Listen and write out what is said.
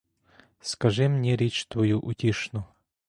Скажи мні річ твою утішну: